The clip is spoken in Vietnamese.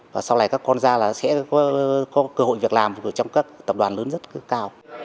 và sau này các con ra là sẽ có cơ hội việc làm ở trong các tập đoàn lớn rất cao